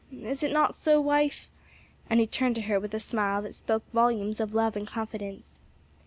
Is it not so; wife?" and he turned to her with a smile that spoke volumes of love and confidence.